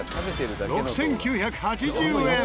６９８０円。